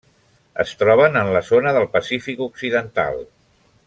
Es troben en la zona del Pacífic occidental: